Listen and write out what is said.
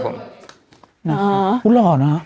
พูดหล่อเนอะ